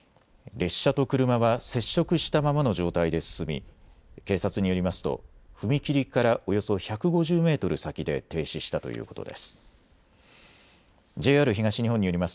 列車と車は接触したままの状態で進み、警察によりますと踏切からおよそ１５０メートル先で停止したということです。